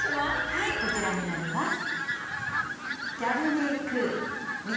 はいこちらになります。